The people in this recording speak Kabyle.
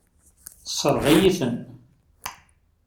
Tessṛeɣ-iyi-ten.